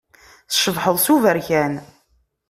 Tcebḥeḍ s uberkan.